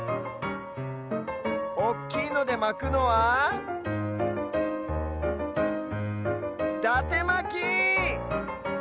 おっきいのでまくのはだてまき！